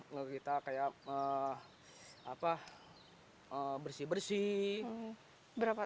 menurut kita bersih bersih